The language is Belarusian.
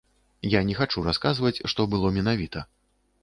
Я не хачу расказваць, што было менавіта.